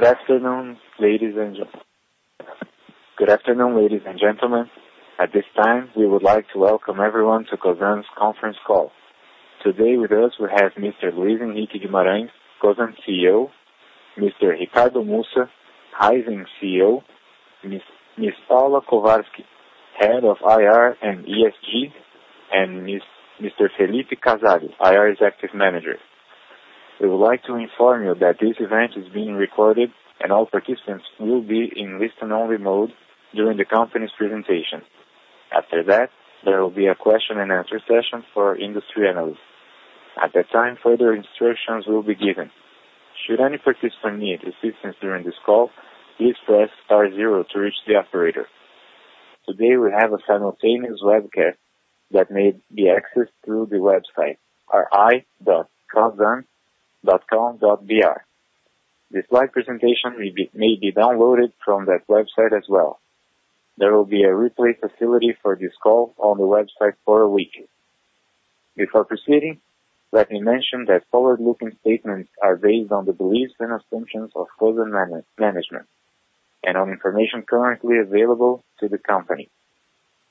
Good afternoon, ladies and gentlemen. At this time, we would like to welcome everyone to Cosan's conference call. Today with us we have Mr. Luis Henrique Guimarães, Cosan CEO, Mr. Ricardo Mussa, Raízen CEO, Ms. Paula Kovarsky, Head of IR and ESG, and Mr. Phillipe Casale, IR Executive Manager. We would like to inform you that this event is being recorded, and all participants will be in listen-only mode during the company's presentation. After that, there will be a question and answer session for industry analysts. At that time, further instructions will be given. Should any participant need assistance during this call, please press star zero to reach the operator. Today, we have a simultaneous webcast that may be accessed through the website ri.cosan.com.br. The slide presentation may be downloaded from that website as well. There will be a replay facility for this call on the website for a week. Before proceeding, let me mention that forward-looking statements are based on the beliefs and assumptions of Cosan management and on information currently available to the company.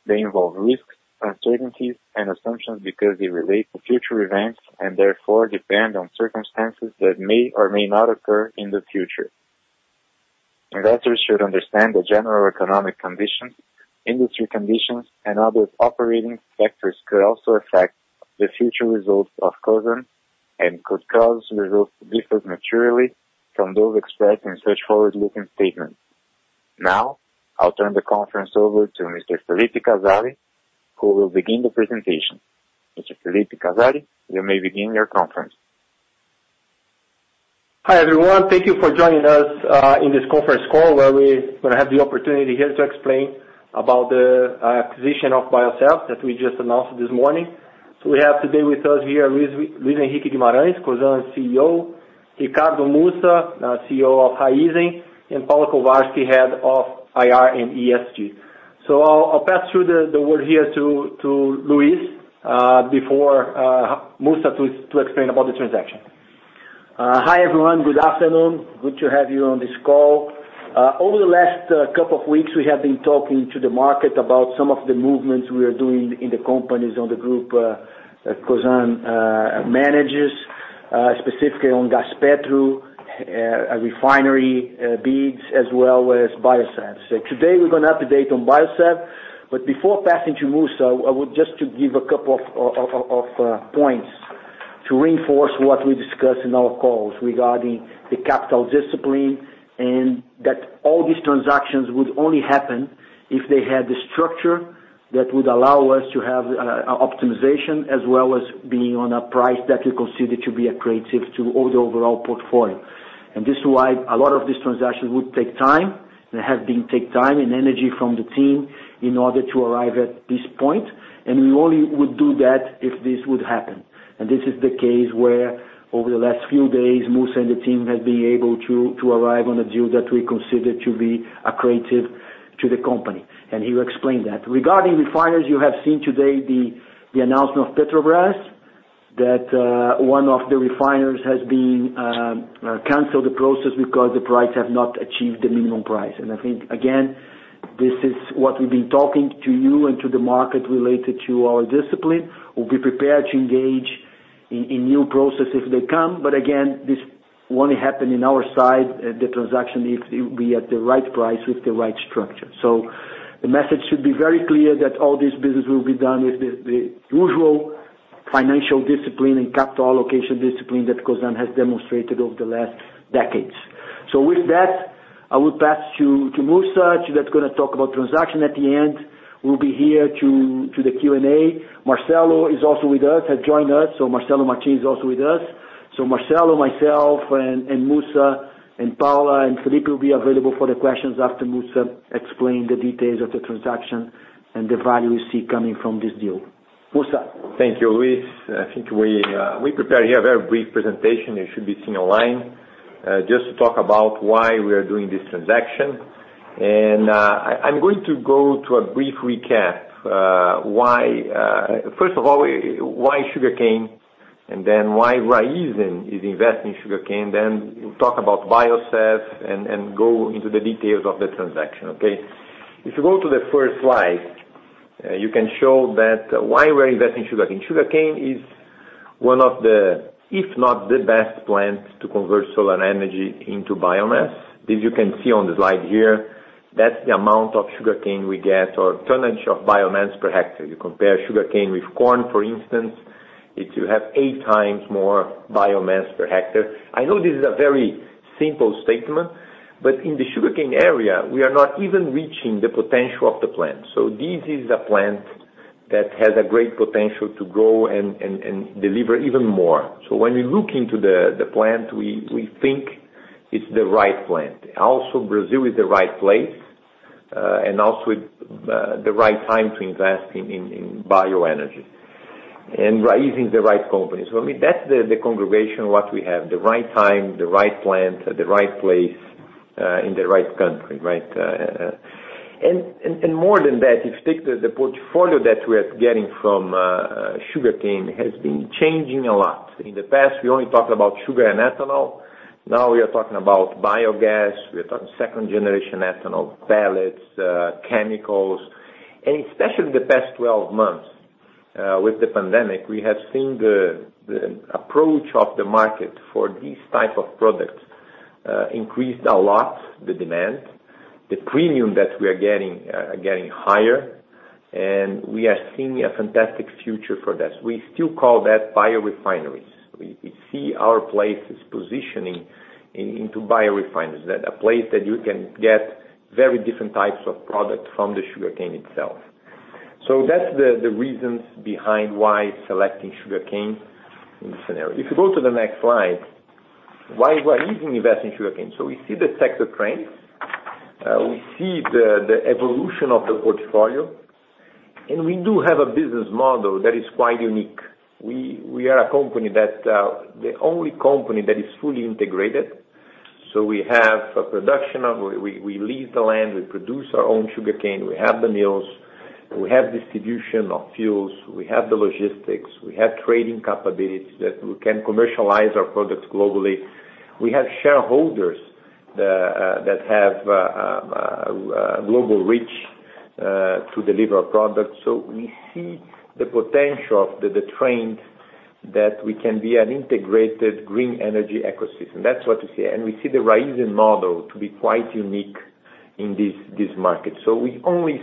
They involve risks, uncertainties, and assumptions because they relate to future events and therefore depend on circumstances that may or may not occur in the future. Investors should understand the general economic conditions, industry conditions, and other operating factors could also affect the future results of Cosan and could cause results to differ materially from those expressed in such forward-looking statements. Now, I'll turn the conference over to Mr. Phillipe Casale, who will begin the presentation. Mr. Phillipe Casale, you may begin your conference. Hi, everyone. Thank you for joining us in this conference call where we going to have the opportunity here to explain about the acquisition of Biosev that we just announced this morning. We have today with us here, Luis Henrique Guimarães, Cosan CEO, Ricardo Mussa, CEO of Raízen, and Paula Kovarsky, Head of IR and ESG. I'll pass through the word here to Luis, before Mussa to explain about the transaction. Hi, everyone. Good afternoon. Good to have you on this call. Over the last couple of weeks, we have been talking to the market about some of the movements we are doing in the companies on the group Cosan manages, specifically on Gaspetro, refinery bids, as well as Biosev. Today we're going to update on Biosev, but before passing to Mussa, I would just to give a couple of points to reinforce what we discussed in our calls regarding the capital discipline, and that all these transactions would only happen if they had the structure that would allow us to have optimization as well as being on a price that we consider to be accretive to the overall portfolio. This is why a lot of these transactions would take time, and have been take time and energy from the team in order to arrive at this point, and we only would do that if this would happen. This is the case where over the last few days, Mussa and the team have been able to arrive on a deal that we consider to be accretive to the company. He will explain that. Regarding refiners, you have seen today the announcement of Petrobras that one of the refiners has been cancel the process because the price have not achieved the minimum price. I think, again, this is what we've been talking to you and to the market related to our discipline. We'll be prepared to engage in new processes if they come, again, this won't happen in our side, the transaction, if it will be at the right price with the right structure. The message should be very clear that all this business will be done with the usual financial discipline and capital allocation discipline that Cosan has demonstrated over the last decades. With that, I will pass to Mussa that's going to talk about transaction. At the end, we'll be here to the Q&A. Marcelo is also with us, has joined us, Marcelo Martins is also with us. Marcelo, myself and Mussa and Paula and Phillipe will be available for the questions after Mussa explain the details of the transaction and the value we see coming from this deal. Mussa. Thank you, Luis. I think we prepare here a very brief presentation. You should be seeing a line, just to talk about why we are doing this transaction. I'm going to go to a brief recap. First of all, why sugarcane, and then why Raízen is investing in sugarcane, then we'll talk about Biosev and go into the details of the transaction, okay? If you go to the first slide, you can show that why we're investing in sugarcane. Sugarcane is one of the, if not the best plant to convert solar energy into biomass. This you can see on the slide here. That's the amount of sugarcane we get, or tonnage of biomass per hectare. You compare sugarcane with corn, for instance, if you have eight times more biomass per hectare. I know this is a very simple statement. In the sugarcane area, we are not even reaching the potential of the plant. This is a plant that has a great potential to grow and deliver even more. When we look into the plant, we think it's the right plant. Brazil is the right place, and also the right time to invest in bioenergy, and Raízen's the right company. I mean, that's the congregation what we have, the right time, the right plant, at the right place, in the right country, right? More than that, if you take the portfolio that we are getting from sugarcane, it has been changing a lot. In the past, we only talked about sugar and ethanol. Now we are talking about biogas, we are talking second-generation ethanol, pellets, chemicals. Especially in the past 12 months, with the pandemic, we have seen the approach of the market for these type of products increase a lot, the demand. The premium that we are getting, are getting higher, and we are seeing a fantastic future for that. We still call that biorefineries. We see our place as positioning into biorefineries, that a place that you can get very different types of product from the sugarcane itself. That's the reasons behind why selecting sugarcane in this scenario. If you go to the next slide, why we are even investing in sugarcane. We see the sector trends, we see the evolution of the portfolio, and we do have a business model that is quite unique. We are the only company that is fully integrated. We have a production of, we lease the land, we produce our own sugarcane, we have the mills, we have distribution of fuels, we have the logistics, we have trading capabilities that we can commercialize our products globally. We have shareholders that have global reach to deliver our products. We see the potential of the trends that we can be an integrated green energy ecosystem. That's what we see. We see the Raízen model to be quite unique in this market. We only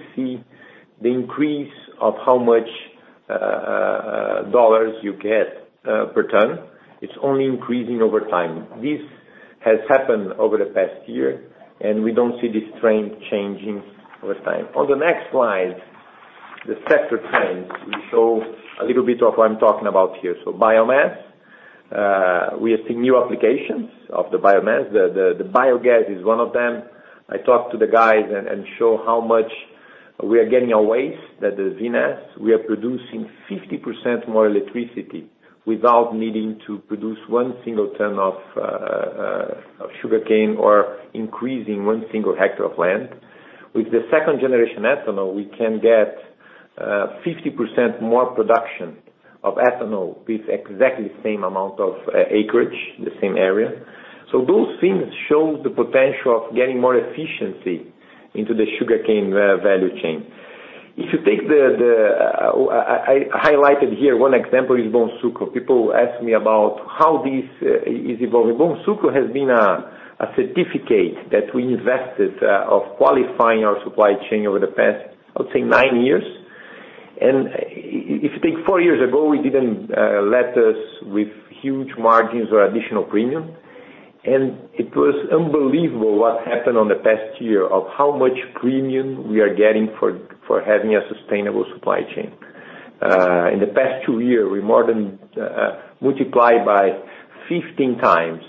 see the increase of how much dollars you get per ton, it's only increasing over time. This has happened over the past year, we don't see this trend changing over time. On the next slide, the sector trends, we show a little bit of what I'm talking about here. Biomass, we are seeing new applications of the biomass. The biogas is one of them. I talk to the guys and show how much we are getting a waste, that the vinasse, we are producing 50% more electricity without needing to produce one single ton of sugarcane or increasing one single hectare of land. With the second-generation ethanol, we can get 50% more production of ethanol with exactly the same amount of acreage, the same area. Those things show the potential of getting more efficiency into the sugarcane value chain. If you take I highlighted here, one example is Bonsucro. People ask me about how this is evolving. Bonsucro has been a certificate that we invested of qualifying our supply chain over the past, I would say nine years. If you think four years ago, we didn't let us with huge margins or additional premium. It was unbelievable what happened on the past year of how much premium we are getting for having a sustainable supply chain. In the past two years, we more than multiply by 15 times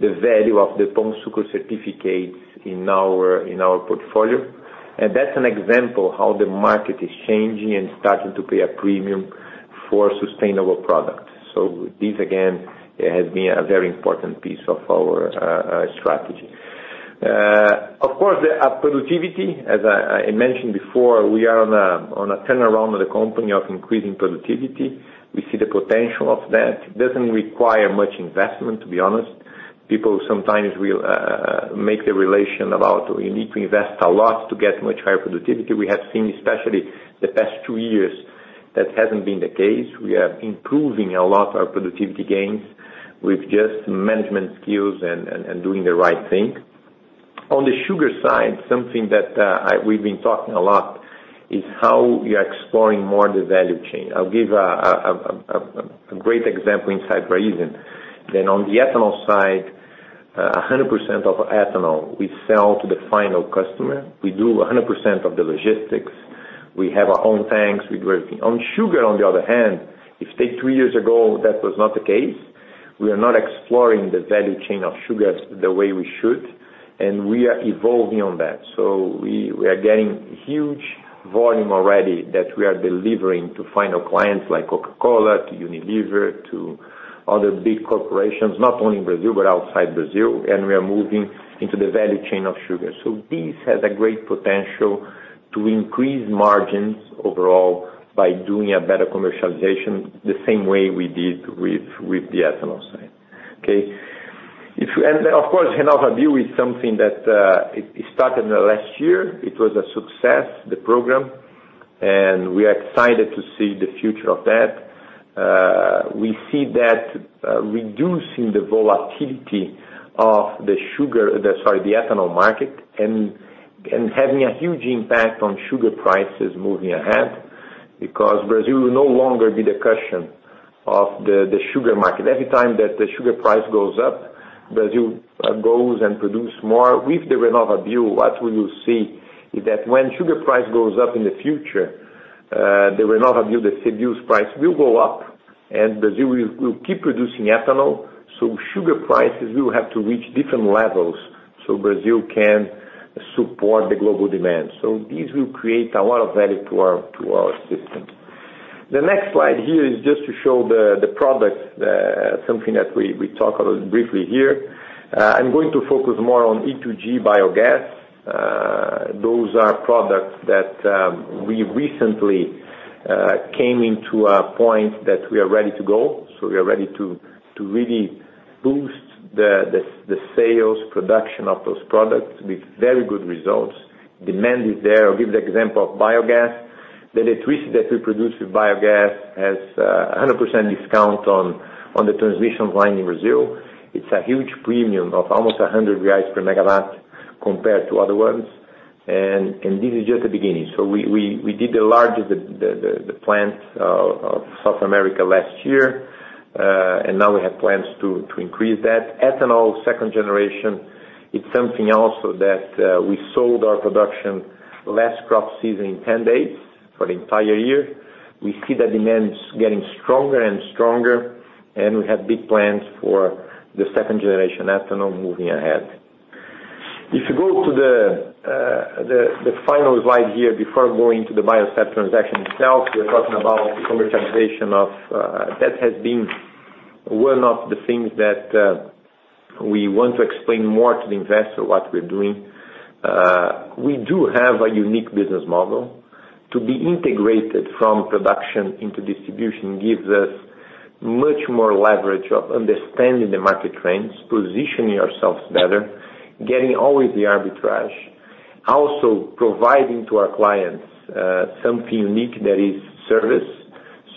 the value of the Bonsucro certificates in our portfolio. That's an example how the market is changing and starting to pay a premium for sustainable product. This, again, has been a very important piece of our strategy. Of course, our productivity, as I mentioned before, we are on a turnaround of the company of increasing productivity. We see the potential of that. It doesn't require much investment, to be honest. People sometimes will make the relation about we need to invest a lot to get much higher productivity. We have seen, especially the past two years, that hasn't been the case. We are improving a lot our productivity gains with just management skills and doing the right thing. On the sugar side, something that we've been talking a lot is how we are exploring more the value chain. I'll give a great example inside Raízen. That on the ethanol side, 100% of ethanol we sell to the final customer. We do 100% of the logistics. We have our own tanks. On sugar, on the other hand, if take three years ago, that was not the case. We are not exploring the value chain of sugar the way we should, and we are evolving on that. We are getting huge volume already that we are delivering to final clients like Coca-Cola, to Unilever, to other big corporations, not only in Brazil, but outside Brazil, and we are moving into the value chain of sugar. This has a great potential to increase margins overall by doing a better commercialization, the same way we did with the ethanol side. Okay. Of course, RenovaBio is something that it started in the last year. It was a success, the program, and we are excited to see the future of that. We see that reducing the volatility of the ethanol market, and having a huge impact on sugar prices moving ahead, because Brazil will no longer be the cushion of the sugar market. Every time that the sugar price goes up, Brazil goes and produce more. With the RenovaBio, what we will see is that when sugar price goes up in the future, the RenovaBio, the CBIO price will go up, and Brazil will keep producing ethanol, so sugar prices will have to reach different levels so Brazil can support the global demand. This will create a lot of value to our system. The next slide here is just to show the products, something that we talk about briefly here. I'm going to focus more on E2G biogas. Those are products that we recently came into a point that we are ready to go. We are ready to really boost the sales production of those products with very good results. Demand is there. I'll give the example of biogas. The electricity that we produce with biogas has 100% discount on the transmission line in Brazil. It's a huge premium of almost 100 reais per MW compared to other ones. This is just the beginning. We did the largest plant of South America last year, and now we have plans to increase that. Ethanol, second generation, it's something also that we sold our production last crop season in 10 days for the entire year. We see the demand is getting stronger and stronger. We have big plans for the second-generation ethanol moving ahead. If you go to the final slide here before going to the Biosev transaction itself, we are talking about the commercialization. That has been one of the things that we want to explain more to the investor, what we're doing. We do have a unique business model. To be integrated from production into distribution gives us much more leverage of understanding the market trends, positioning ourselves better, getting always the arbitrage. Providing to our clients something unique that is service.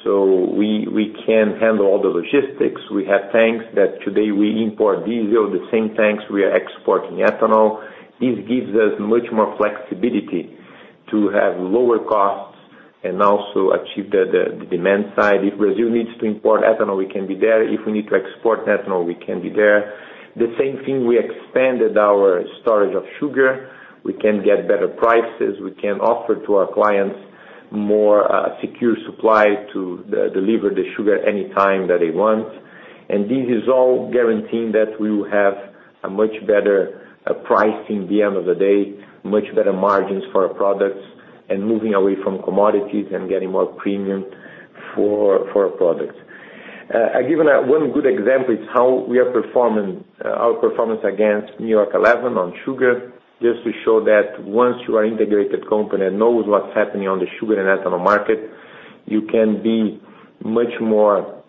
We can handle all the logistics. We have tanks that today we import diesel, the same tanks we are exporting ethanol. This gives us much more flexibility to have lower costs and also achieve the demand side. If Brazil needs to import ethanol, we can be there. If we need to export ethanol, we can be there. The same thing, we expanded our storage of sugar. We can get better prices. We can offer to our clients more secure supply to deliver the sugar any time that they want. This is all guaranteeing that we will have a much better pricing at the end of the day, much better margins for our products, and moving away from commodities and getting more premium for our products. I've given one good example. It's how our performance against No. 11 on Sugar. Just to show that once you are an integrated company and knows what's happening on the sugar and ethanol market, you can be much more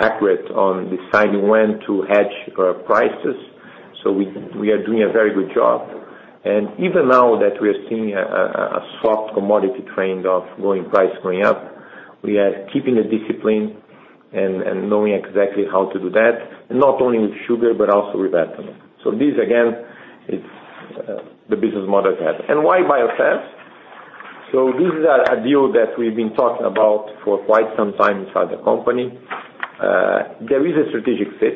accurate on deciding when to hedge our prices. We are doing a very good job. Even now that we are seeing a soft commodity trend of price going up, we are keeping a discipline and knowing exactly how to do that, not only with sugar, but also with ethanol. This, again, is the business model. Why Biosev? This is a deal that we've been talking about for quite some time inside the company. There is a strategic fit.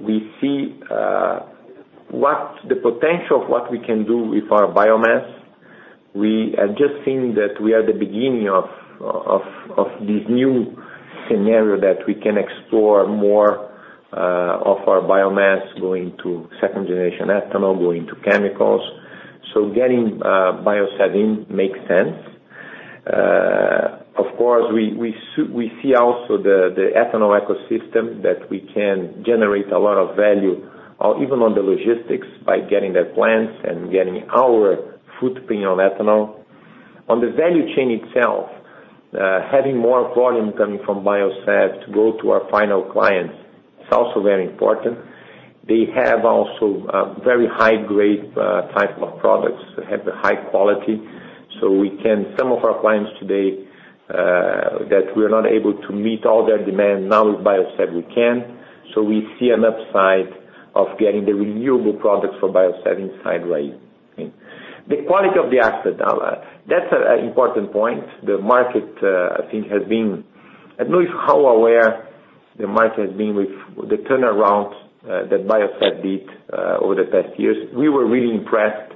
We see what the potential of what we can do with our biomass. We are just seeing that we are at the beginning of this new scenario that we can explore more of our biomass going to second-generation ethanol, going to chemicals. Getting Biosev in makes sense. We see also the ethanol ecosystem that we can generate a lot of value, even on the logistics by getting their plants and getting our footprint on ethanol. On the value chain itself, having more volume coming from Biosev to go to our final clients is also very important. They have also a very high-grade type of products. They have the high quality. Some of our clients today that we are not able to meet all their demand, now with Biosev we can. We see an upside of getting the renewable products for Biosev inside Raízen. The quality of the asset. The market, I think, has been at least how aware the market has been with the turnaround that Biosev did over the past years. We were really impressed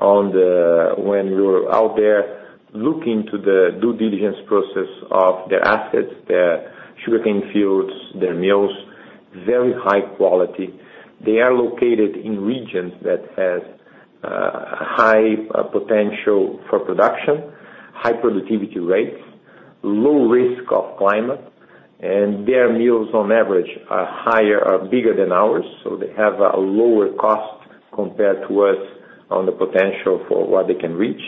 when we were out there looking to the due diligence process of their assets, their sugarcane fields, their mills, very high quality. They are located in regions that has a high potential for production, high productivity rates, low risk of climate, and their mills on average are higher or bigger than ours, so they have a lower cost compared to us on the potential for what they can reach.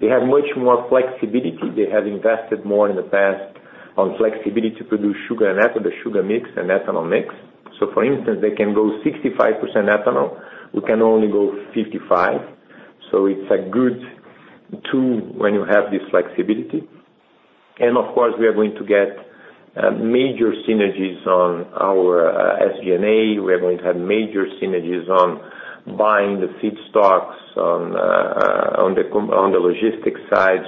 They have much more flexibility. They have invested more in the past on flexibility to produce sugar and ethanol, the sugar mix and ethanol mix. For instance, they can go 65% ethanol. We can only go 55%. It's good, too, when you have this flexibility. Of course, we are going to get major synergies on our SG&A. We are going to have major synergies on buying the feedstocks, on the logistics side.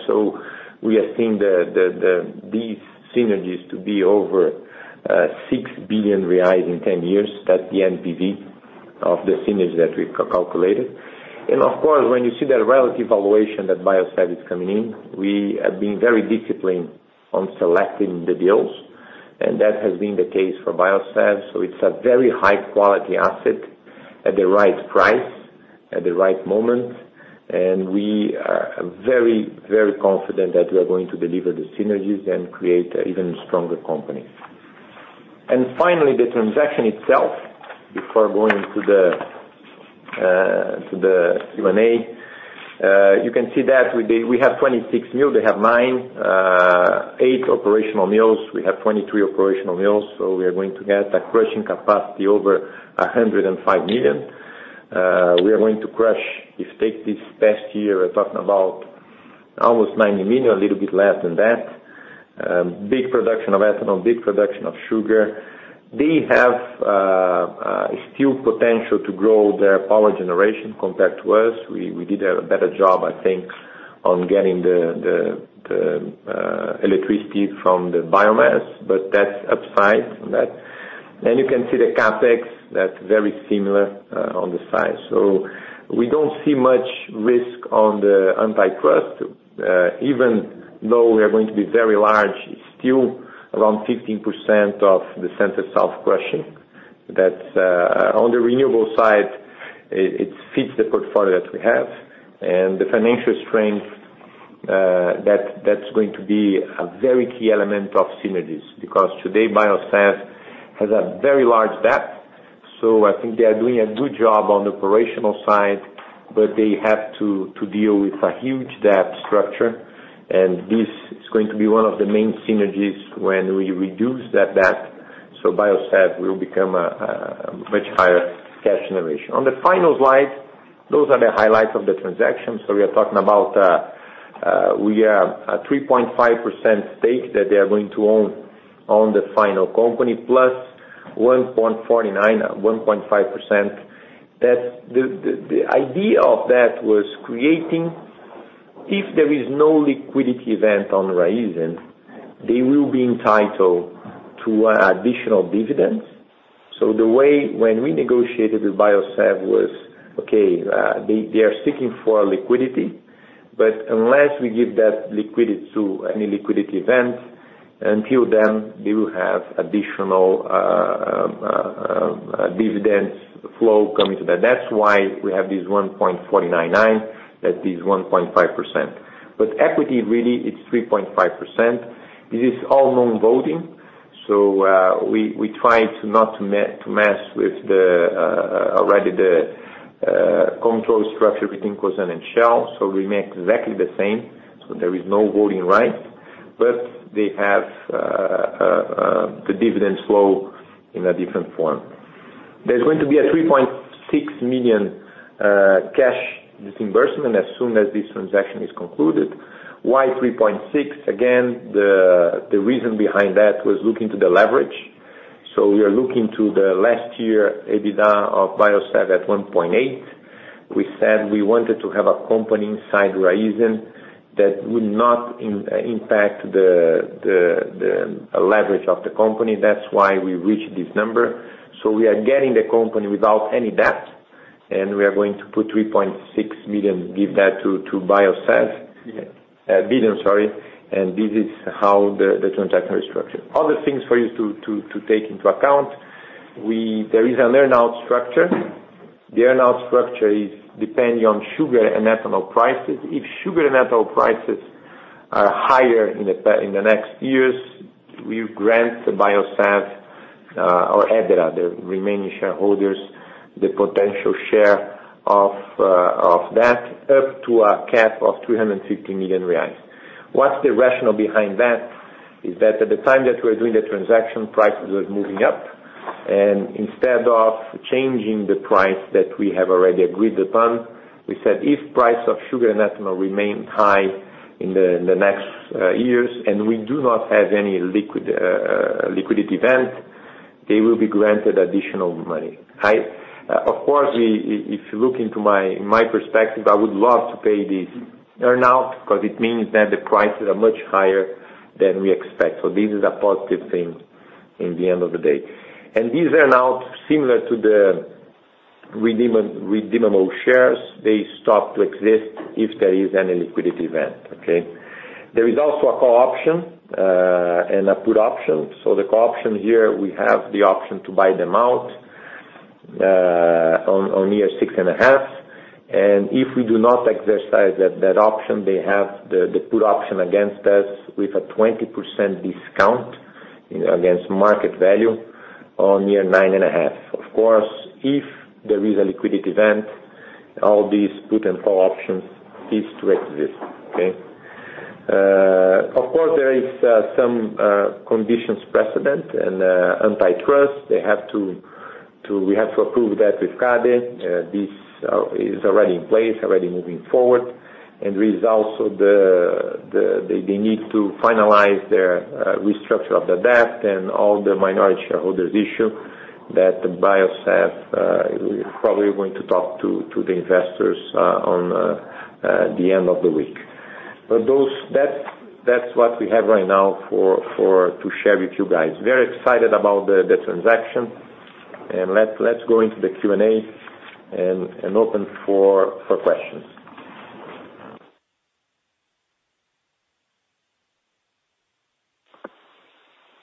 We are seeing these synergies to be over 6 billion reais in 10 years. That's the NPV of the synergy that we've calculated. Of course, when you see that relative valuation that Biosev is coming in, we have been very disciplined on selecting the deals. That has been the case for Biosev. It's a very high-quality asset at the right price, at the right moment, and we are very confident that we are going to deliver the synergies and create an even stronger company. Finally, the transaction itself, before going to the Q&A. You can see that we have 26 mills. They have nine. Eight operational mills. We have 23 operational mills. We are going to get a crushing capacity over 105 million. We are going to crush, if take this past year, we're talking about almost 90 million, a little bit less than that. Big production of ethanol, big production of sugar. They have still potential to grow their power generation compared to us. We did a better job, I think, on getting the electricity from the biomass, but that's upside from that. You can see the CapEx, that's very similar on the side. We don't see much risk on the antitrust. Even though we are going to be very large, it's still around 15% of the Center-South crushing. On the renewable side, it fits the portfolio that we have and the financial strength, that's going to be a very key element of synergies. Because today, Biosev has a very large debt. I think they are doing a good job on the operational side, but they have to deal with a huge debt structure, and this is going to be one of the main synergies when we reduce that debt. Biosev will become a much higher cash generation. On the final slide, those are the highlights of the transaction. We are talking about, we have a 3.5% stake that they are going to own the final company, plus 1.49%, 1.5%. The idea of that was creating, if there is no liquidity event on Raízen, they will be entitled to additional dividends. The way when we negotiated with Biosev was, okay, they are seeking for liquidity, but unless we give that liquidity to any liquidity event, until then, they will have additional dividends flow coming to that. That is why we have this 1.499%, that is 1.5%. Equity really is 3.5%. This is all non-voting. We try to not to mess with already the control structure between Cosan and Shell, so we remain exactly the same. There is no voting right. They have the dividend flow in a different form. There is going to be a 3.6 million cash disbursement as soon as this transaction is concluded. Why 3.6 million? Again, the reason behind that was looking to the leverage. We are looking to the last year EBITDA of Biosev at 1.8 billion. We said we wanted to have a company inside Raízen that would not impact the leverage of the company. That is why we reached this number. We are getting the company without any debt, and we are going to put 3.6 million, give that to Biosev. Billion, sorry. This is how the transaction is structured. Other things for you to take into account, there is an earn-out structure. The earn-out structure is depending on sugar and ethanol prices. If sugar and ethanol prices are higher in the next years, we grant Biosev, or EBITDA, the remaining shareholders, the potential share of that, up to a cap of 350 million reais. What's the rationale behind that? Is that at the time that we were doing the transaction, prices were moving up, and instead of changing the price that we have already agreed upon, we said if price of sugar and ethanol remains high in the next years, and we do not have any liquidity event, they will be granted additional money. If you look into my perspective, I would love to pay this earn-out because it means that the prices are much higher than we expect. This is a positive thing in the end of the day. These earn-out similar to the redeemable shares, they stop to exist if there is any liquidity event, okay. There is also a call option and a put option. The call option here, we have the option to buy them out on year 6 and a half. If we do not exercise that option, they have the put option against us with a 20% discount against market value on year nine and a half. Of course, if there is a liquidity event, all these put and call options cease to exist, okay. Of course, there is some conditions precedent and antitrust. We have to approve that with CADE. This is already in place, already moving forward. There is also they need to finalize their restructure of the debt and all the minority shareholders' issue that Biosev probably going to talk to the investors on the end of the week. That's what we have right now to share with you guys. Very excited about the transaction. Let's go into the Q&A and open for questions.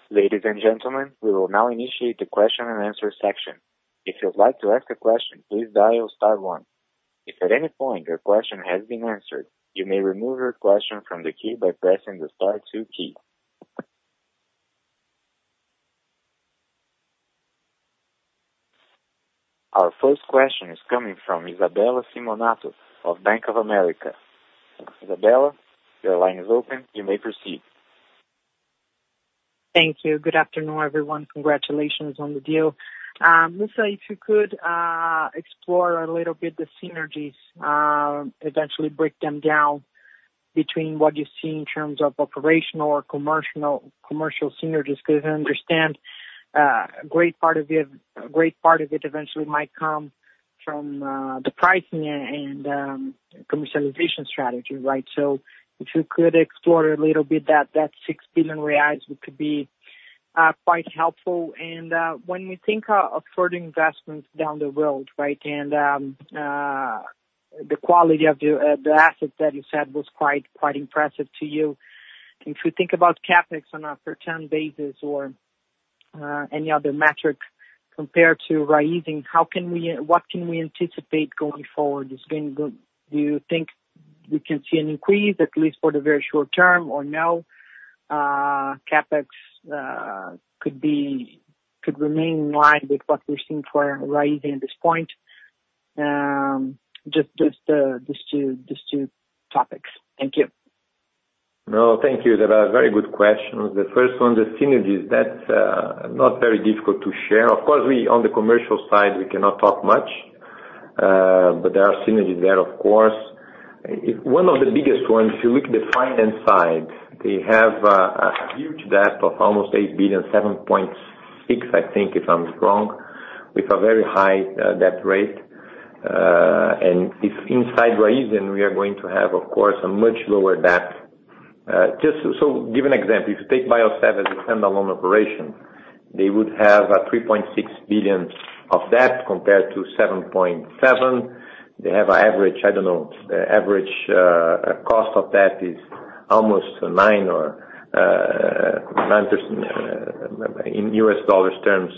Ladies and gentlemen, we will now initiate the question and answer section. Our first question is coming from Isabella Simonato of Bank of America. Isabella, your line is open. You may proceed. Thank you. Good afternoon, everyone. Congratulations on the deal. Mussa, if you could explore a little bit the synergies, eventually break them down between what you see in terms of operational or commercial synergies, because I understand a great part of it eventually might come from the pricing and commercialization strategy, right? If you could explore a little bit that 6 billion reais, it could be quite helpful. When we think of further investments down the road, right, and the quality of the asset that you said was quite impressive to you. If you think about CapEx on a per ton basis or any other metric compared to Raízen, what can we anticipate going forward? Do you think we can see an increase, at least for the very short term or no, CapEx could remain in line with what we're seeing for Raízen at this point? Just two topics. Thank you. No, thank you, Isabella. Very good questions. The first one, the synergies, that's not very difficult to share. Of course, on the commercial side, we cannot talk much, but there are synergies there, of course. One of the biggest ones, if you look the finance side, they have a huge debt of almost 8 billion, 7.6 billion, I think, if I'm not wrong, with a very high debt rate. If inside Raízen, we are going to have, of course, a much lower debt. Give an example. If you take Biosev as a standalone operation, they would have a 3.6 billion of debt compared to 7.7 billion. They have an average cost of debt is almost 9% in U.S. dollars terms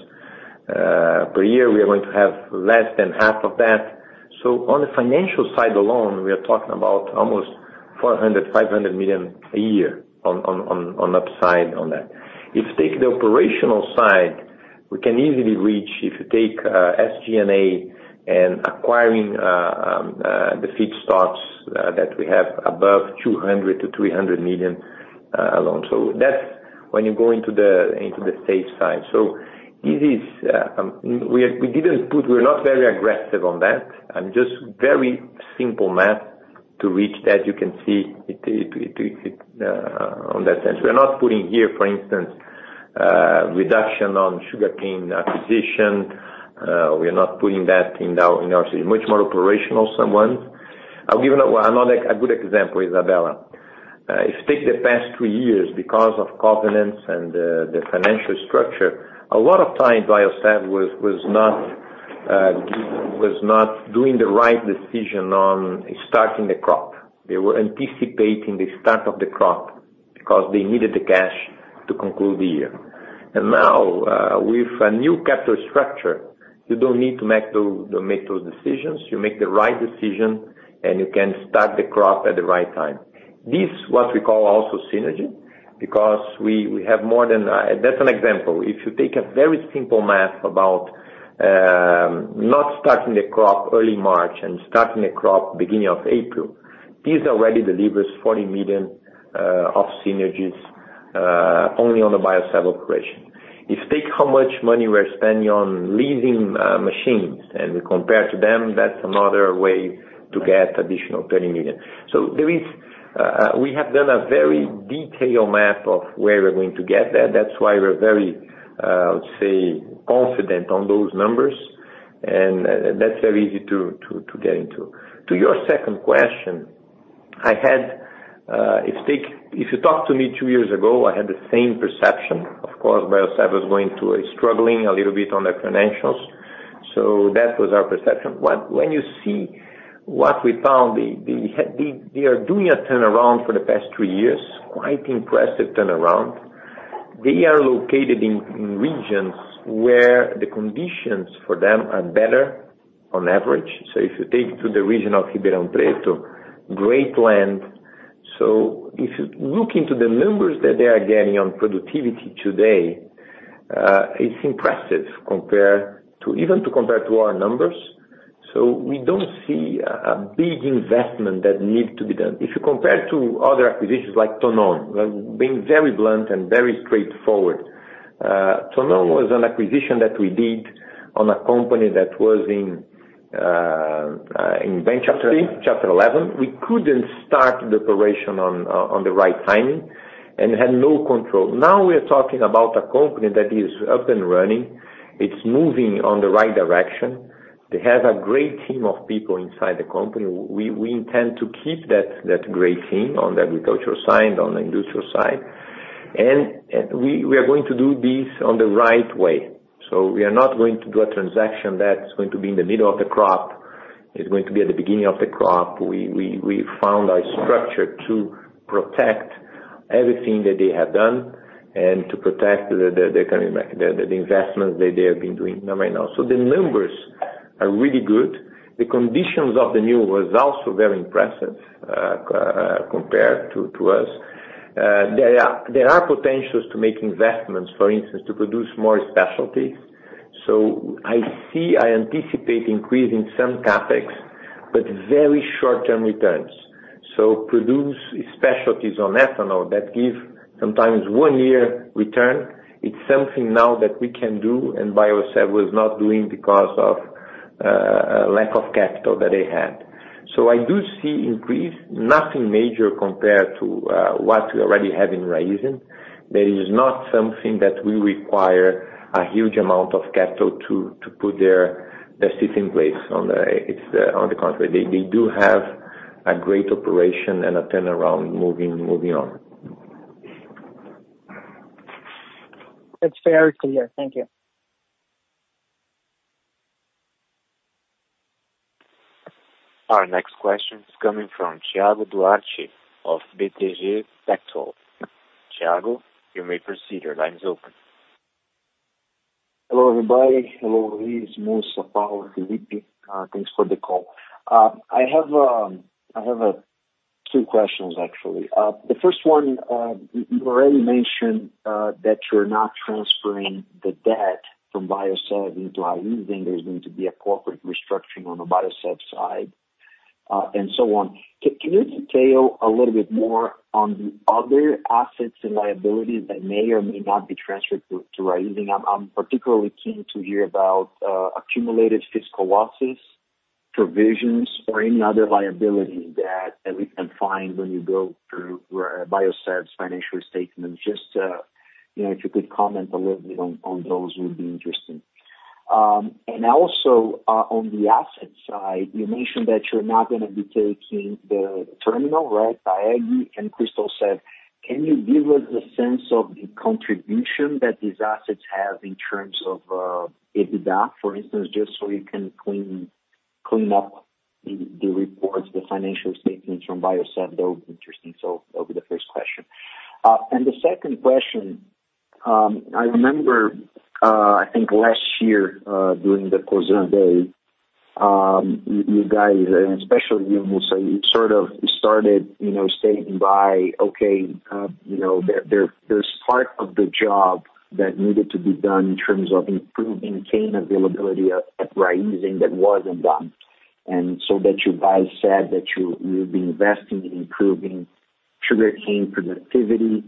per year. We are going to have less than half of that. On the financial side alone, we are talking about almost 400 million-500 million a year on upside on that. If you take the operational side, we can easily reach, if you take SG&A and acquiring the feedstocks that we have above 200 million-300 million alone. That's when you go into the safe side. We're not very aggressive on that and just very simple math to reach that. You can see on that sense. We're not putting here, for instance, reduction on sugarcane acquisition. We are not putting that in our synergy. Much more operational someone. I'll give another good example, Isabella. If you take the past three years, because of covenants and the financial structure, a lot of times Biosev was not doing the right decision on starting the crop. They were anticipating the start of the crop because they needed the cash to conclude the year. Now, with a new capital structure, you don't need to make those decisions. You make the right decision, and you can start the crop at the right time. This, what we call also synergy, because we have more than. That's an example. If you take a very simple math about not starting the crop early March and starting a crop beginning of April, this already delivers 40 million of synergies, only on the Biosev operation. If take how much money we're spending on leasing machines and we compare to them, that's another way to get additional 30 million. We have done a very detailed map of where we're going to get that. That's why we're very, I would say, confident on those numbers, and that's very easy to get into. To your second question, if you talk to me two years ago, I had the same perception. Of course, Biosev was going through a struggling a little bit on their financials. That was our perception. When you see what we found, they are doing a turnaround for the past three years, quite impressive turnaround. They are located in regions where the conditions for them are better on average. If you take to the region of Ribeirão Preto, great land. If you look into the numbers that they are getting on productivity today, it's impressive even to compare to our numbers. We don't see a big investment that need to be done. If you compare to other acquisitions like Tonon, being very blunt and very straightforward. Tonon was an acquisition that we did on a company that was in bankruptcy, Chapter 11. We couldn't start the operation on the right timing, and it had no control. Now we're talking about a company that is up and running. It's moving on the right direction. They have a great team of people inside the company. We intend to keep that great team on the agricultural side, on the industrial side. We are going to do this on the right way. We are not going to do a transaction that's going to be in the middle of the crop. It's going to be at the beginning of the crop. We found a structure to protect everything that they have done and to protect the investment that they have been doing right now. The numbers are really good. The conditions of the new results were very impressive compared to us. There are potentials to make investments, for instance, to produce more specialties. I anticipate increasing some CapEx, but very short-term returns. Produce specialties on ethanol that give sometimes one year return. It's something now that we can do, and Biosev was not doing because of lack of capital that they had. I do see increase, nothing major compared to what we already have in Raízen. That is not something that will require a huge amount of capital to put their system in place. On the contrary, they do have a great operation and a turnaround moving on. It's very clear. Thank you. Our next question is coming from Thiago Duarte of BTG Pactual. Thiago, you may proceed. Your line is open. Hello, everybody. Hello, Luis, Mussa, Paula, Phillipe. Thanks for the call. I have two questions, actually. The first one, you already mentioned, that you're not transferring the debt from Biosev into Raízen. There's going to be a corporate restructuring on the Biosev side, and so on. Can you detail a little bit more on the other assets and liabilities that may or may not be transferred to Raízen? I'm particularly keen to hear about accumulated fiscal losses, provisions, or any other liability that we can find when you go through Biosev's financial statements. If you could comment a little bit on those, it would be interesting. Also, on the asset side, you mentioned that you're not going to be taking the terminal, right, TEAG and Cristal S.A.. Can you give us a sense of the contribution that these assets have in terms of EBITDA, for instance, just so you can clean up the reports, the financial statements from Biosev? That would be interesting. That'll be the first question. The second question, I remember, I think last year, during the Cosan Day, you guys, and especially you, Mussa, you sort of started stating by, okay, there's part of the job that needed to be done in terms of improving cane availability at Raízen that wasn't done. So that you guys said that you will be investing in improving sugarcane productivity.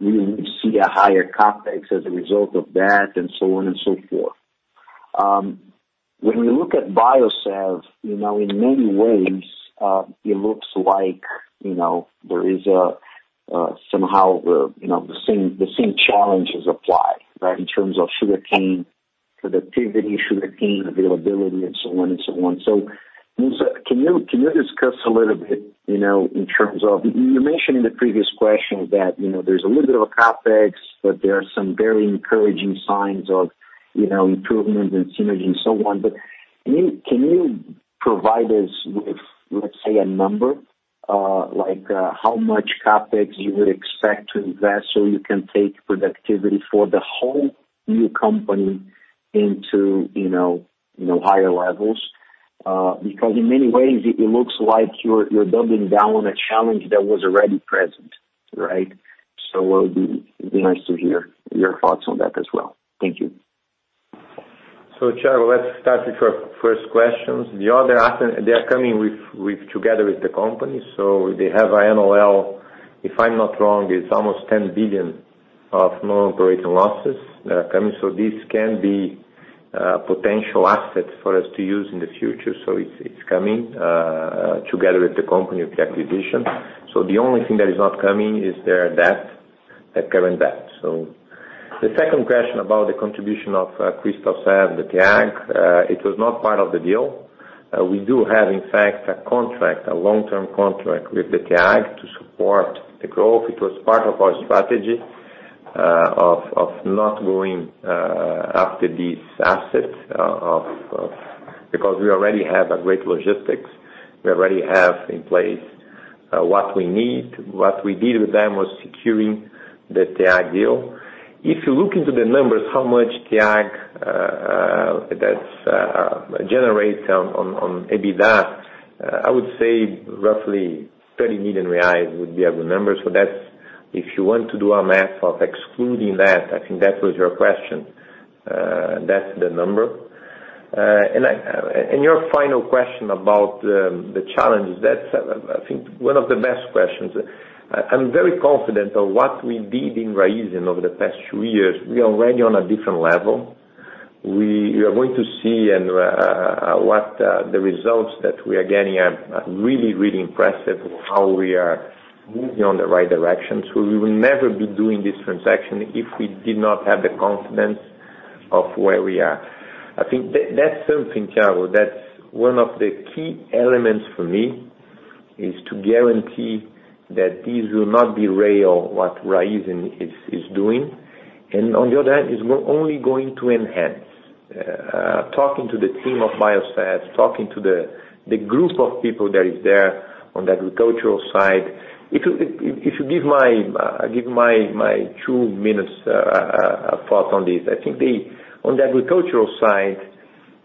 We will see a higher CapEx as a result of that, and so on and so forth. When we look at Biosev, in many ways, it looks like somehow the same challenges apply, right? In terms of sugarcane productivity, sugarcane availability, and so on. Mussa, you mentioned in the previous question that there's a little bit of a CapEx, but there are some very encouraging signs of improvement and synergy, and so on. Can you provide us with, let's say, a number, like how much CapEx you would expect to invest so you can take productivity for the whole new company into higher levels? In many ways, it looks like you're doubling down on a challenge that was already present, right? It would be nice to hear your thoughts on that as well. Thank you. Thiago, let's start with your first questions. The other assets, they're coming together with the company, so they have an NOL. If I'm not wrong, it's almost 10 billion of non-operating losses coming. This can be a potential asset for us to use in the future. It's coming, together with the company of the acquisition. The only thing that is not coming is their current debt. The second question about the contribution of Cristal S.A. the TEAG, it was not part of the deal. We do have, in fact, a contract, a long-term contract with the TEAG to support the growth. It was part of our strategy of not going after these assets, because we already have a great logistics. We already have in place what we need. What we did with them was securing the TEAG deal. If you look into the numbers, how much TEAG generates on EBITDA, I would say roughly 30 million reais would be a good number. If you want to do a math of excluding that, I think that was your question, that's the number. Your final question about the challenges, that's I think one of the best questions. I'm very confident of what we did in Raízen over the past two years. We are already on a different level. We are going to see the results that we are getting are really impressive of how we are moving on the right direction. We will never be doing this transaction if we did not have the confidence of where we are. I think that's something, Thiago, that's one of the key elements for me, is to guarantee that this will not derail what Raízen is doing. On the other hand, it's only going to enhance, talking to the team of Biosev, talking to the group of people that is there on the agricultural side. If you give my two minutes thought on this. I think on the agricultural side,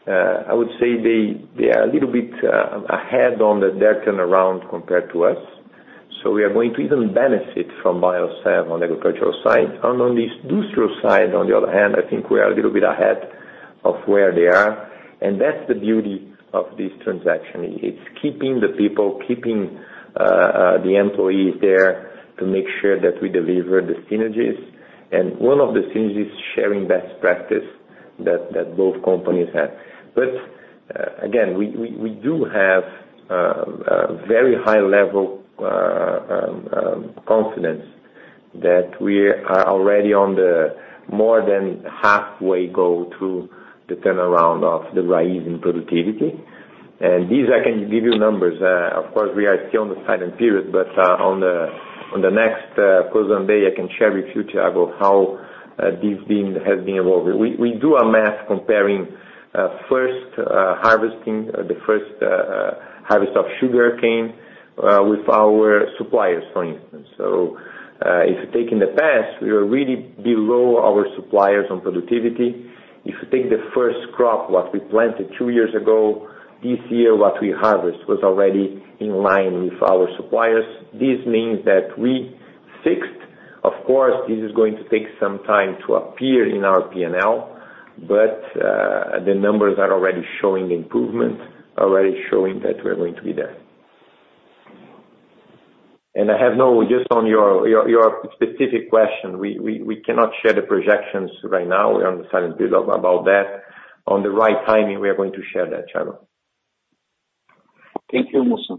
I would say they are a little bit ahead on their turnaround compared to us. We are going to even benefit from Biosev on the agricultural side. On the industrial side, on the other hand, I think we are a little bit ahead of where they are, and that's the beauty of this transaction. It's keeping the people, keeping the employees there to make sure that we deliver the synergies. One of the synergies is sharing best practice that both companies have. Again, we do have very high level confidence that we are already on the more than halfway go through the turnaround of the Raízen productivity. These, I can give you numbers. Of course, we are still on the silent period. On the next Cosan Day, I can share with you, Thiago, how this has been evolving. We do our math comparing first harvesting, the first harvest of sugarcane, with our suppliers, for instance. If you take in the past, we were really below our suppliers on productivity. If you take the first crop, what we planted two years ago, this year, what we harvest was already in line with our suppliers. This means that we fixed. Of course, this is going to take some time to appear in our P&L. The numbers are already showing improvement, already showing that we're going to be there. I have no, just on your specific question, we cannot share the projections right now. We are on the silent period about that. On the right timing, we are going to share that, Thiago. Thank you, Mussa.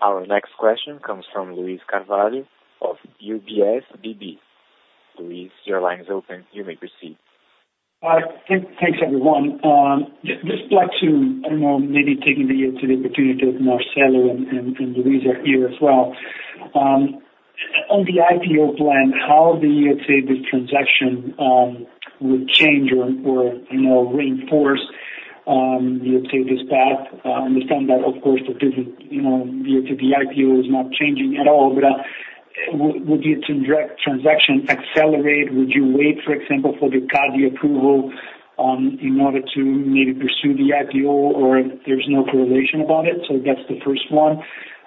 Our next question comes from Luiz Carvalho of UBS BB. Luiz, your line is open. You may proceed. Thanks, everyone. Would like to, taking the opportunity that Marcelo and Luiz are here as well. On the IPO plan, how do you say this transaction will change or reinforce this path? I understand that, of course, the IPO is not changing at all, would the transaction accelerate? Would you wait, for example, for the CADE approval in order to maybe pursue the IPO? There's no correlation about it? That's the first one.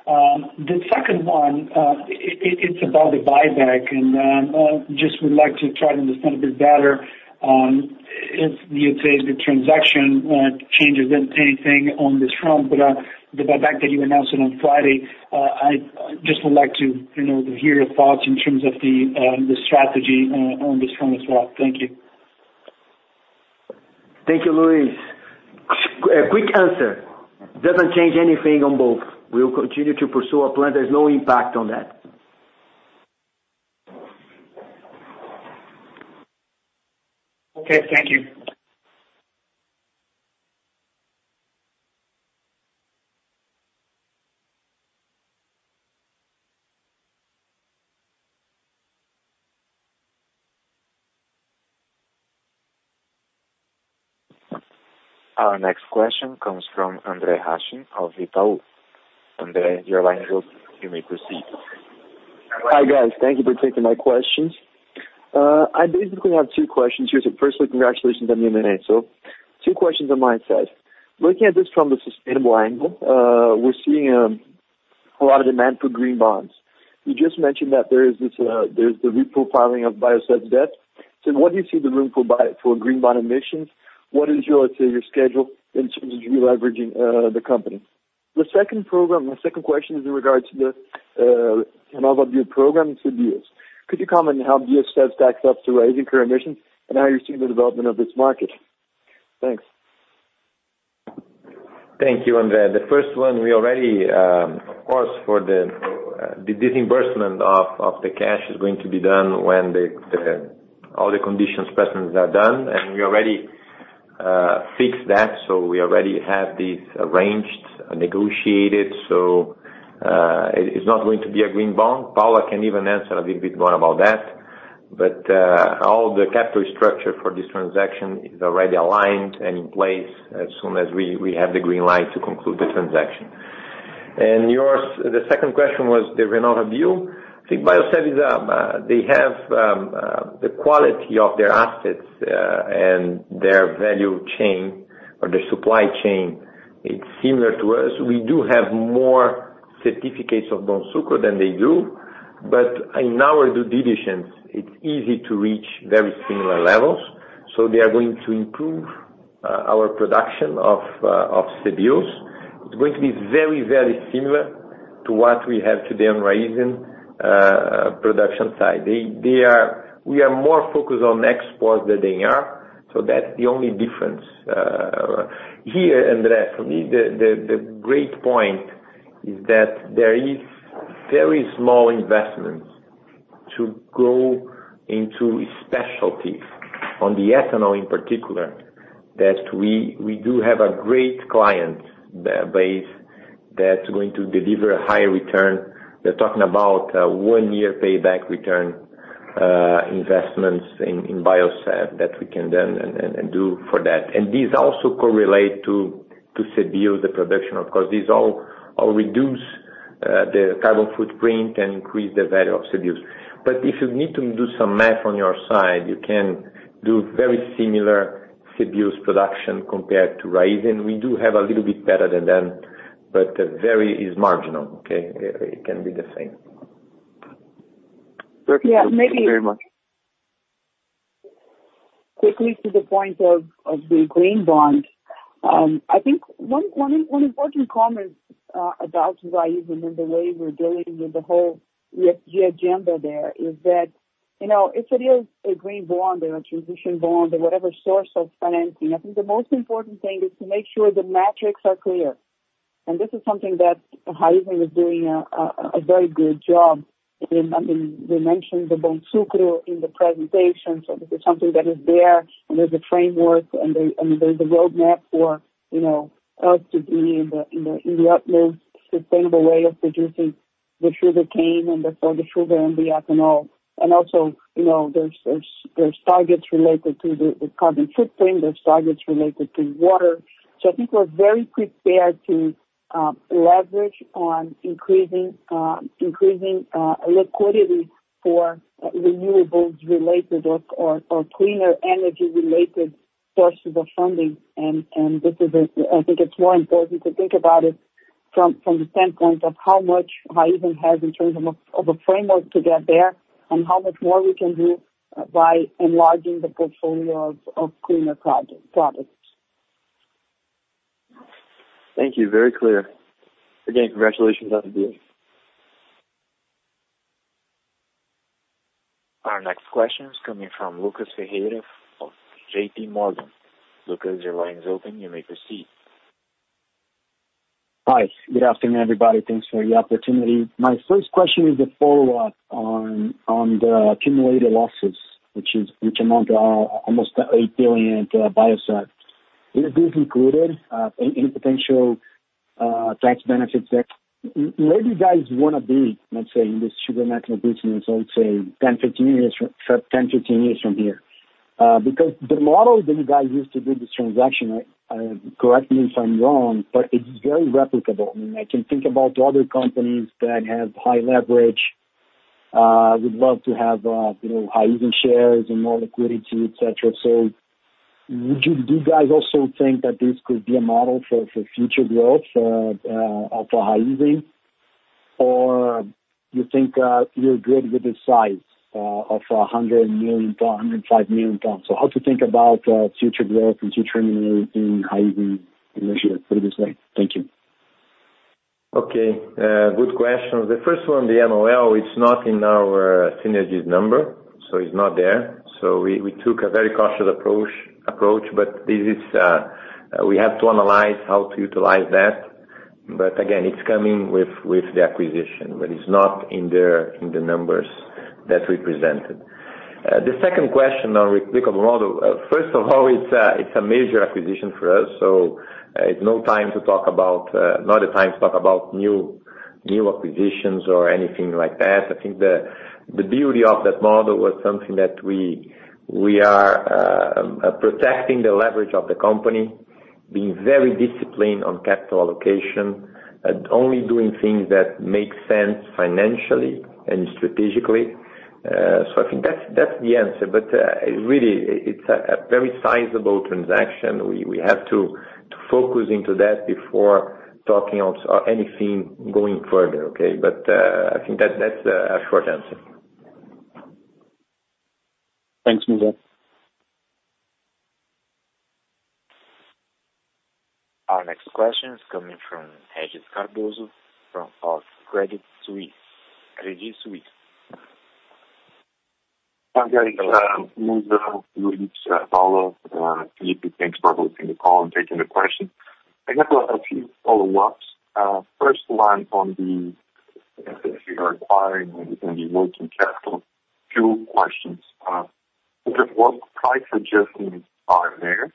The second one, it's about the buyback, would like to try to understand a bit better on, if you would say the transaction changes anything on this front. The buyback that you announced on Friday, I would like to hear your thoughts in terms of the strategy on this front as well. Thank you. Thank you, Luiz. A quick answer. Doesn't change anything on both. We will continue to pursue our plan. There's no impact on that. Okay. Thank you. Our next question comes from Andre Hachem of Itaú. Andre, your line is open. You may proceed. Hi, guys. Thank you for taking my questions. I basically have two questions here. Firstly, congratulations on the M&A. Two questions on my side. Looking at this from the sustainable angle, we're seeing a lot of demand for green bonds. You just mentioned that there's the reprofiling of Biosev debt. What do you see the room for a green bond emissions? What is your, let's say, your schedule in terms of re-leveraging the company? My second question is in regards to the RenovaBio program, CBIOs. Could you comment on how Biosev stacks up to Raízen current emissions and how you see the development of this market? Thanks. Thank you, Andre. The first one, we already, of course, for the disbursement of the cash is going to be done when all the conditions precedence are done, and we already fixed that. We already have this arranged and negotiated. It's not going to be a green bond. Paula can even answer a little bit more about that. All the capital structure for this transaction is already aligned and in place as soon as we have the green light to conclude the transaction. The second question was the RenovaBio. I think Biosev, they have the quality of their assets, and their value chain or their supply chain, it's similar to us. We do have more certificates of Bonsucro than they do. In our due diligence, it's easy to reach very similar levels. They are going to improve our production of CBIOs. It's going to be very, very similar to what we have today on Raízen production side. We are more focused on export than they are. That's the only difference. Here, Andre, for me, the great point is that there is very small investments to go into specialties on the ethanol in particular, that we do have a great client base that's going to deliver a high return. We're talking about one year payback return investments in Biosev that we can then do for that. These also correlate to CBIO, the production, of course. These all reduce the carbon footprint and increase the value of CBIOs. If you need to do some math on your side, you can do very similar CBIOs production compared to Raízen. We do have a little bit better than them. Very is marginal, okay? It can be the same. Perfect. Thank you very much. Yeah, maybe quickly to the point of the green bond. I think one important comment about Raízen and the way we're dealing with the whole agenda there is that, if it is a green bond or a transition bond or whatever source of financing, I think the most important thing is to make sure the metrics are clear. This is something that Raízen is doing a very good job in. We mentioned the Bonsucro in the presentation, so this is something that is there, and there's a framework, and there's a roadmap for us to be in the utmost sustainable way of producing the sugarcane and therefore the sugar and the ethanol. Also, there's targets related to the carbon footprint. There's targets related to water. I think we're very prepared to leverage on increasing liquidity for renewables related or cleaner energy related sources of funding. I think it's more important to think about it from the standpoint of how much Raízen has in terms of a framework to get there and how much more we can do by enlarging the portfolio of cleaner products. Thank you. Very clear. Again, congratulations on the deal. Our next question is coming from Lucas Ferreira of JPMorgan. Lucas, your line is open. You may proceed. Hi, good afternoon, everybody. Thanks for the opportunity. My first question is a follow-up on the accumulated losses, which amount to almost 8 billion at Biosev. Is this included in potential tax benefits that where do you guys want to be, let's say, in the sugar national business, I would say 10-15 years from here? The model that you guys used to do this transaction, correct me if I'm wrong, but it's very replicable. I can think about other companies that have high leverage, would love to have Raízen shares and more liquidity, et cetera. Do you guys also think that this could be a model for future growth for Raízen, or you think you're good with the size of BRL 105 million? How to think about future growth and future in Raízen initiative, put it this way. Thank you. Okay, good question. The first one, the NOL, it's not in our synergies number, it's not there. We took a very cautious approach, but we have to analyze how to utilize that. Again, it's coming with the acquisition, but it's not in the numbers that we presented. The second question on replicable model. First of all, it's a major acquisition for us, it's not the time to talk about new acquisitions or anything like that. I think the beauty of that model was something that we are protecting the leverage of the company, being very disciplined on capital allocation, and only doing things that make sense financially and strategically. I think that's the answer. Really, it's a very sizable transaction. We have to focus into that before talking of anything going further, okay? I think that's a short answer. Thanks, Mussa. Our next question is coming from Regis Cardoso of Credit Suisse. Hi, guys. Mussa, Luis, Paula, Phillipe, thanks for hosting the call and taking the questions. I have a few follow-ups. First one on the assets you are acquiring and the working capital. Two questions. First, what price adjustments are there?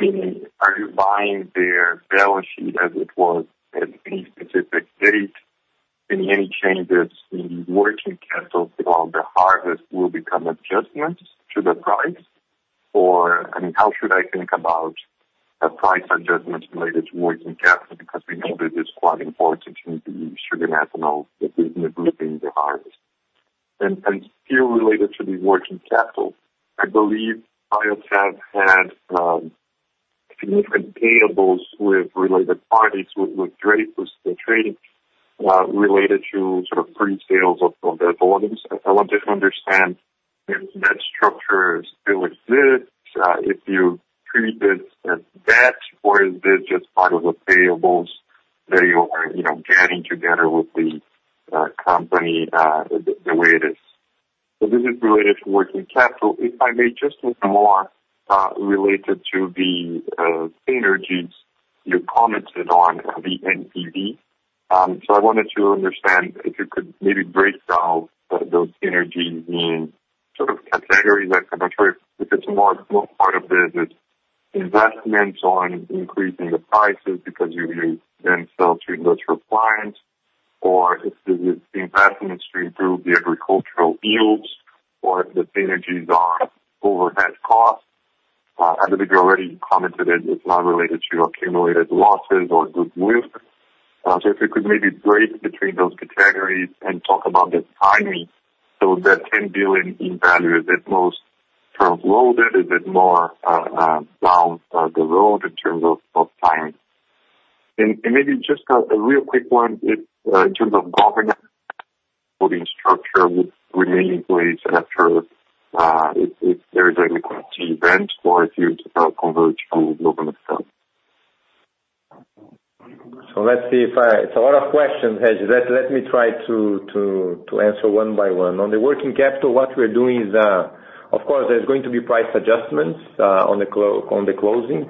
Meaning, are you buying their balance sheet as it was at any specific date? Any changes in the working capital throughout the harvest will become adjustments to the price, or how should I think about price adjustments related to working capital? Because we know that it is quite important in the sugar national, the business grouping, the harvest. Still related to the working capital, I believe Biosev had significant payables with related parties, with trades related to sort of presales of their volumes. I want to understand if that structure still exists, if you treat this as debt, or is this just part of the payables. There you are getting together with the company the way it is. This is related to working capital. If I may, just a little more related to the synergies you commented on the NPV. I wanted to understand if you could maybe break down those synergies in sort of categories. I'm not sure if it's more part of the investments on increasing the prices because you then sell to industrial clients, or if it's the investments to improve the agricultural yields, or if the synergies are overhead costs. I believe you already commented it's not related to your accumulated losses or goodwill. If you could maybe break between those categories and talk about the timing. That 10 billion in value, is it most front-loaded? Is it more down the road in terms of timing? Maybe just a real quick one, in terms of governance, will the structure would remain in place after, if there is a liquidity event or if you convert to global itself? Let's see. It's a lot of questions, Regis. Let me try to answer one by one. On the working capital, what we're doing is, of course, there's going to be price adjustments on the closing,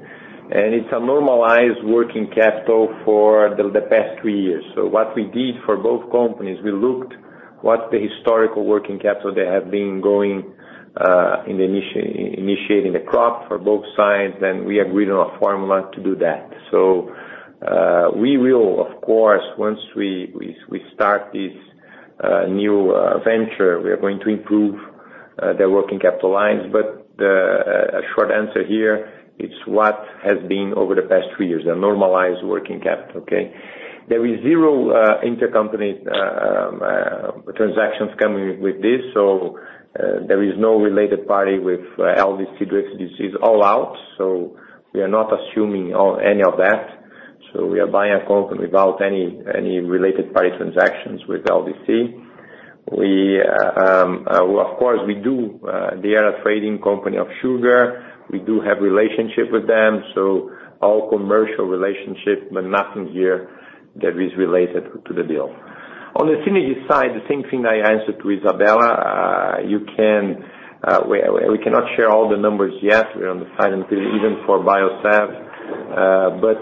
and it's a normalized working capital for the past three years. What we did for both companies, we looked what the historical working capital they have been going initiating the crop for both sides, and we agreed on a formula to do that. We will, of course, once we start this new venture, we are going to improve the working capital lines. The short answer here, it's what has been over the past three years, the normalized working capital, okay? There is zero intercompany transactions coming with this, so there is no related party with LDC. Drex is all out, so we are not assuming any of that. We are buying a company without any related party transactions with LDC. Of course, they are a trading company of sugar. We do have relationship with them, all commercial relationship, but nothing here that is related to the deal. On the synergy side, the same thing I answered to Isabella. We cannot share all the numbers yet. We're on the silent period even for Biosev.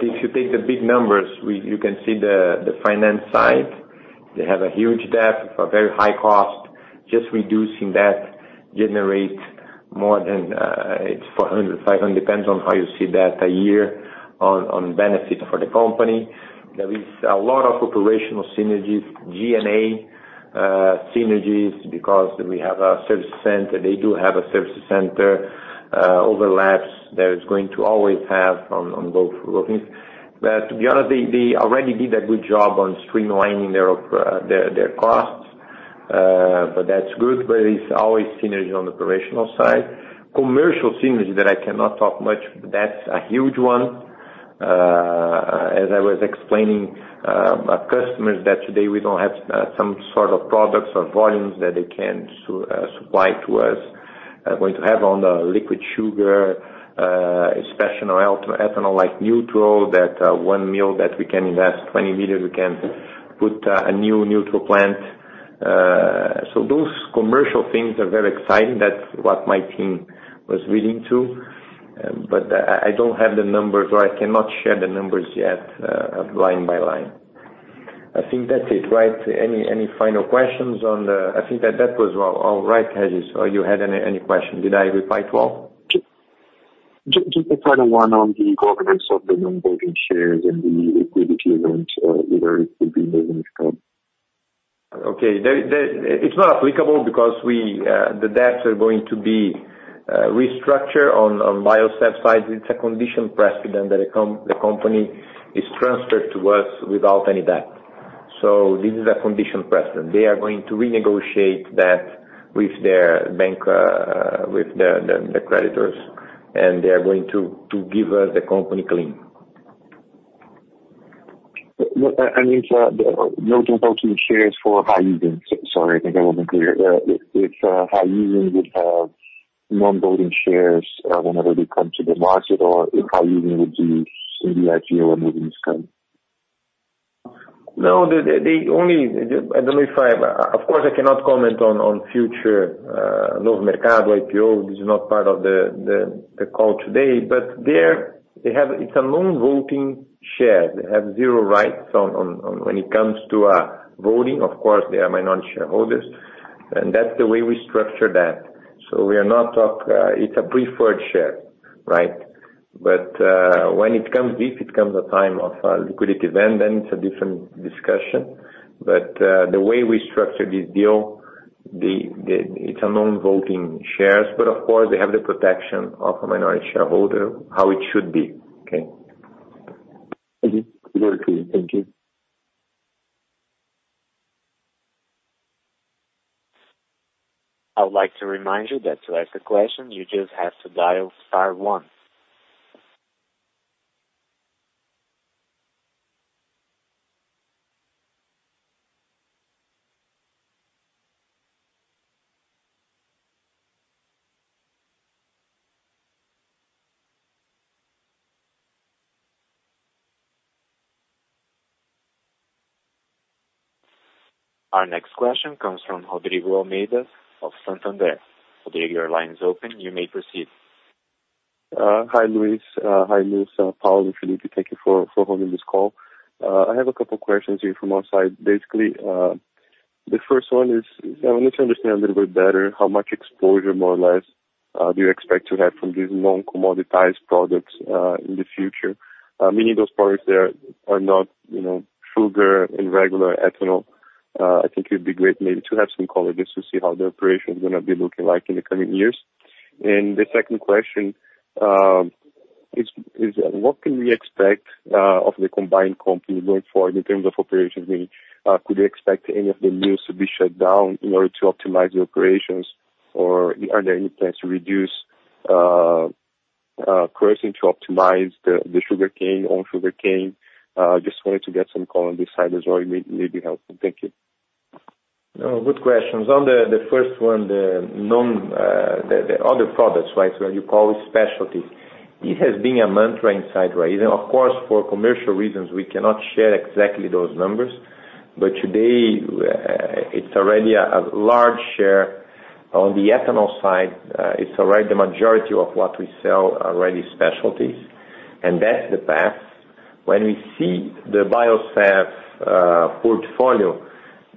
If you take the big numbers, you can see the finance side. They have a huge debt of a very high cost. Just reducing that generates more than 400 million, 500 million, depends on how you see that a year on benefit for the company. There is a lot of operational synergies, G&A synergies, because we have a service center. They do have a service center. Overlaps, there is going to always have on both workings. To be honest, they already did a good job on streamlining their costs. That's good. There is always synergy on the operational side. Commercial synergy that I cannot talk much, that's a huge one. As I was explaining customers that today we don't have some sort of products or volumes that they can supply to us, are going to have on the liquid sugar, especially on ethanol like neutral, that one mill that we can invest 20 million, we can put a new neutral plant. Those commercial things are very exciting. That's what my team was reading too. I don't have the numbers, or I cannot share the numbers yet line by line. I think that's it, right? Any final questions? I think that that was all right, Regis, or you had any questions. Did I reply to all? Just the final one on the governance of the non-voting shares and the liquidity event, whether it will be moving its current. Okay. It's not applicable because the debts are going to be restructured on Biosev side. It's a condition precedent that the company is transferred to us without any debt. This is a condition precedent. They are going to renegotiate that with their creditors, and they are going to give us the company clean. If we're talking shares for Raízen. Sorry, I think I wasn't clear. If Raízen would have non-voting shares whenever they come to the market, or if Raízen would do some IPO. No. Of course, I cannot comment on future Novo Mercado IPO. There, it's a non-voting share. They have zero rights when it comes to voting. Of course, they are my non-shareholders. That's the way we structure that. It's a preferred share, right? When it comes this, it comes a time of liquidity event, then it's a different discussion. The way we structure this deal, it's a non-voting shares, but of course, they have the protection of a minority shareholder, how it should be. Okay. Very clear. Thank you. I would like to remind you that to ask a question, you just have to dial star one. Our next question comes from Rodrigo Almeida of Santander. Rodrigo, your line is open. You may proceed. Hi, Luis. Hi, Luis, Paula, and Phillipe. Thank you for holding this call. I have a couple questions here from our side, basically. The first one is, I want to understand a little bit better how much exposure, more or less, do you expect to have from these non-commoditized products in the future? Meaning those products that are not sugar and regular ethanol. I think it'd be great maybe to have some color just to see how the operation's going to be looking like in the coming years. The second question is what can we expect, of the combined company going forward in terms of operations? Meaning, could we expect any of the mills to be shut down in order to optimize the operations or are there any plans to reduce crushing to optimize the sugarcane, own sugarcane? Just wanted to get some color on this side as well. It may be helpful. Thank you. Good questions. On the first one, the other products, right, where you call specialties. It has been a mantra inside Raízen. Of course, for commercial reasons, we cannot share exactly those numbers. Today, it's already a large share. On the ethanol side, it's already the majority of what we sell, already specialties, that's the path. When we see the Biosev portfolio,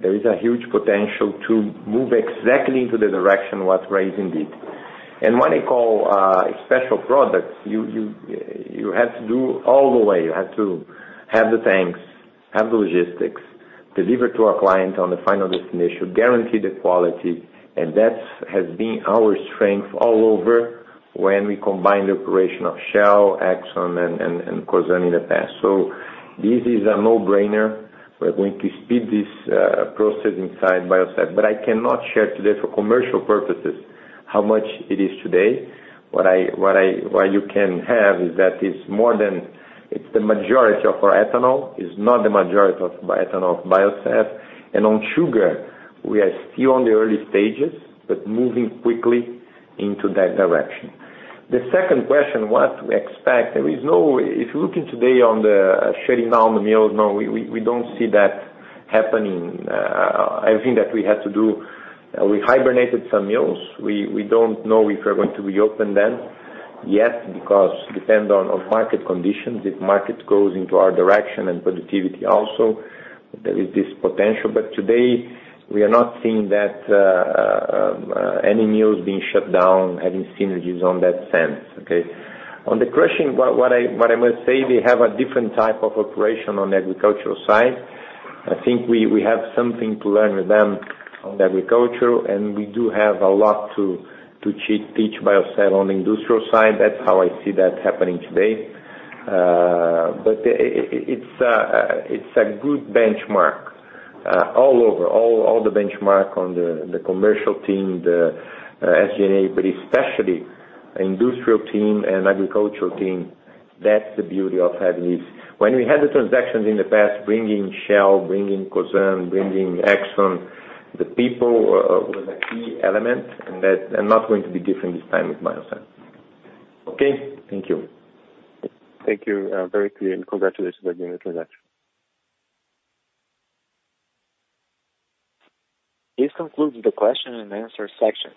there is a huge potential to move exactly into the direction what Raízen did. When I call special products, you have to do all the way. You have to have the tanks, have the logistics, deliver to our client on the final destination, guarantee the quality, and that has been our strength all over when we combine the operation of Shell, Exxon, and Cosan in the past. This is a no-brainer. We're going to speed this process inside Biosev, but I cannot share today for commercial purposes how much it is today. What you can have is that it's more than, it's the majority of our ethanol, is not the majority of ethanol of Biosev, and on sugar, we are still on the early stages, but moving quickly into that direction. The second question, what we expect, if you're looking today on the shutting down the mills, no, we don't see that happening. I think that we hibernated some mills. We don't know if we're going to reopen them yet because depend on market conditions. If market goes into our direction and productivity also, there is this potential. Today, we are not seeing any mills being shut down, having synergies on that sense, okay? On the crushing, what I must say, they have a different type of operation on the agricultural side. I think we have something to learn with them on the agriculture, and we do have a lot to teach Biosev on the industrial side. That's how I see that happening today. It's a good benchmark, all over, all the benchmark on the commercial team, the SG&A, but especially industrial team and agricultural team. That's the beauty of having this. When we had the transactions in the past, bringing Shell, bringing Cosan, bringing Exxon, the people were the key element, and that are not going to be different this time with Biosev. Okay. Thank you. Thank you. Very clear, congratulations on the new transaction. This concludes the question and answer section.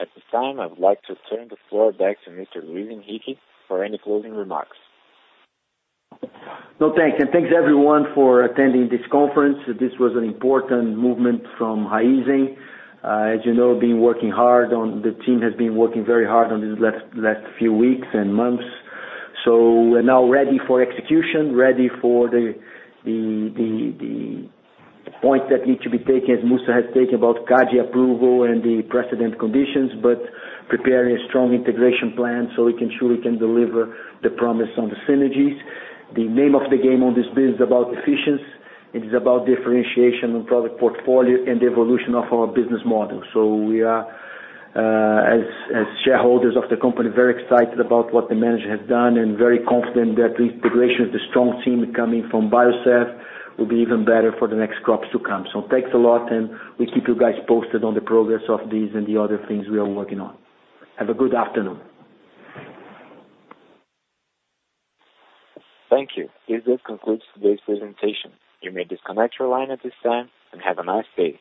At this time, I would like to turn the floor back to Mr. Luis Henrique for any closing remarks. No, thanks, and thanks, everyone, for attending this conference. This was an important movement from Raízen. As you know, the team has been working very hard on these last few weeks and months. We're now ready for execution, ready for the points that need to be taken, as Mussa has taken, about CADE approval and the precedent conditions, but preparing a strong integration plan so we can sure we can deliver the promise on the synergies. The name of the game on this bid is about efficiency. It is about differentiation on product portfolio and evolution of our business model. We are, as shareholders of the company, very excited about what the management has done and very confident that the integration of the strong team coming from Biosev will be even better for the next crops to come. Thanks a lot, and we keep you guys posted on the progress of these and the other things we are working on. Have a good afternoon. Thank you. This concludes today's presentation. You may disconnect your line at this time, and have a nice day.